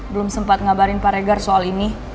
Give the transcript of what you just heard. belum sempat ngabarin pak regar soal ini